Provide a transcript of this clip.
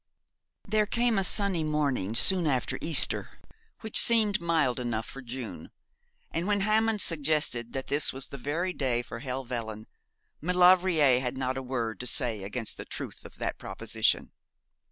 There came a sunny morning soon after Easter which seemed mild enough for June; and when Hammond suggested that this was the very day for Helvellyn, Maulevrier had not a word to say against the truth of that proposition.